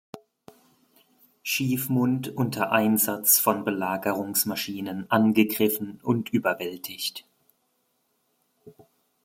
Schiefmund unter Einsatz von Belagerungsmaschinen angegriffen und überwältigt.